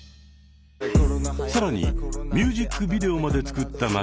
更にミュージックビデオまで作った松田さん。